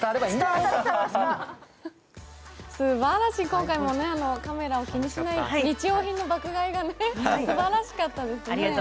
すばらしい、今回もカメラを気にしない、日用品の爆買いがすばらしかったですね。